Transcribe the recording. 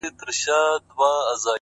چي پكښي خوند پروت وي _